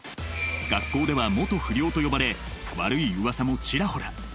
学校では「元不良」と呼ばれ悪いうわさもちらほら。